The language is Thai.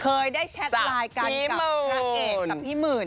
เคยได้แชทไลน์กันพระเอกกับพี่หมื่น